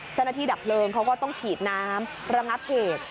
เจ้าหน้าที่ดับเพลิงเขาก็ต้องฉีดน้ำระงัดเหตุ